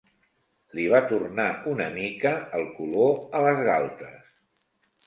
Li va tornar una mica el color a les galtes.